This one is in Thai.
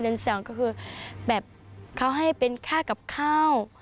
สองก็คือแบบเขาให้เป็นค่ากับข้าว